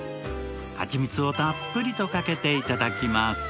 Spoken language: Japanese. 蜂蜜をたっぷりとかけていただきます。